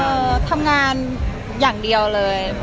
ทำงานอย่างเดียวเลย